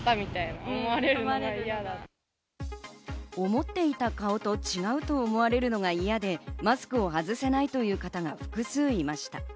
思っていた顔と違うと思われるのが嫌で、マスクを外せないという方が複数いました。